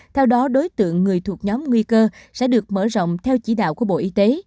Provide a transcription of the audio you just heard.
theo đó đối tượng người thuộc nhóm nguy cơ sẽ được mở rộng theo chỉ đạo của bộ y tế